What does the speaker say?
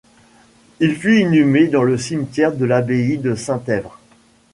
Il fut inhumé dans le cimetière de l'abbaye de Saint-Èvre.